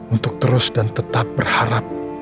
untuk terus dan tetap berharap